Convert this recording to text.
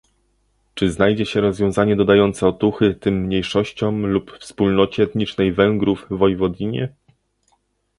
Czy znajdzie się rozwiązanie dodające otuchy tym mniejszościom lub wspólnocie etnicznej Węgrów w Wojwodinie?